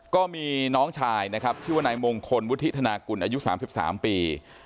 ก็มีน้องชายนะครับชื่อว่านายมงคลวุฒิธนากุลอายุ๓๓ปี